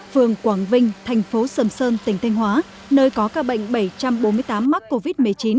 phường quảng vinh thành phố sầm sơn tỉnh thanh hóa nơi có ca bệnh bảy trăm bốn mươi tám mắc covid một mươi chín